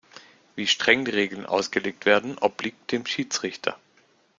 Wie streng die Regeln ausgelegt werden, obliegt dem Schiedsrichter.